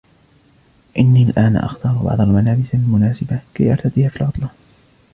إني الآن أختار بعض الملابس المناسبة كي أرتديها في العطلة.